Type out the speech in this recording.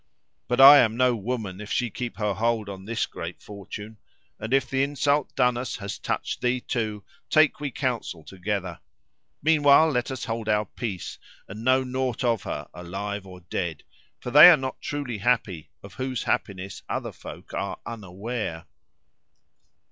But I am no woman if she keep her hold on this great fortune; and if the insult done us has touched thee too, take we counsel together. Meanwhile let us hold our peace, and know naught of her, alive or dead. For they are not truly happy of whose happiness other folk are unaware."